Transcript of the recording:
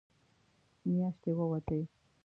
مياشتې ووتې.